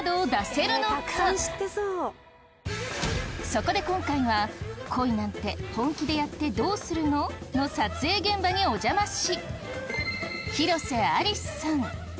そこで今回は「恋なんて、本気でやってどうするの？」の撮影現場にお邪魔し。